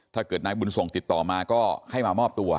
ถ้าเกิดนายบุญส่งติดต่อมาก็ให้มามอบตัว